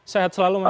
sehat selalu mas